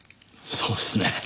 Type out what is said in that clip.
そうですね。